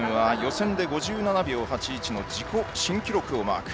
６年の横田華恋は予選で５７秒８１の自己新記録をマーク。